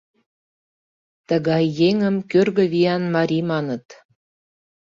Тыгай еҥым кӧргӧ виян марий маныт.